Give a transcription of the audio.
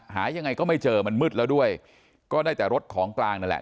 หายังไงก็ไม่เจอมันมืดแล้วด้วยก็ได้แต่รถของกลางนั่นแหละ